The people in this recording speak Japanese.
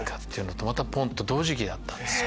ってぽんっと同時期だったんですよ。